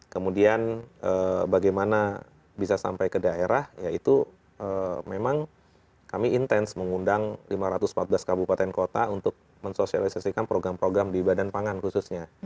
kemudian bagaimana bisa sampai ke daerah ya itu memang kami intens mengundang lima ratus empat belas kabupaten kota untuk mensosialisasikan program program di badan pangan khususnya